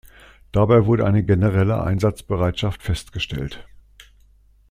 Dabei wurde eine generelle Einsatzbereitschaft festgestellt.